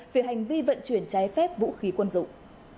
về hành vi vận chuyển trái phép vũ khí quân dụng